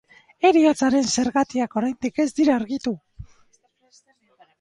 Heriotzaren zergatiak oraindik ez dira argitu.